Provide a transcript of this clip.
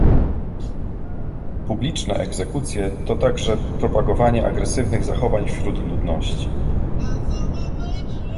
Publiczne egzekucje to także propagowanie agresywnych zachowań wśród ludności